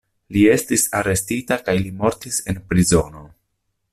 Li estis arestita kaj li mortis en prizono.